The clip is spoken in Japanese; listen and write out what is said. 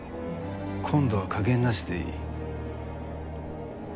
今度は加減なしでいい。